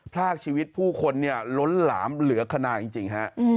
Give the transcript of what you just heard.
พลาดชีวิตผู้คนล้นหลามเหลือขนาดจริง